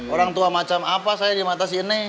orang tua macam apa saya di mata si ene